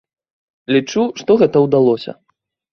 Лічу, што гэта ўдалося.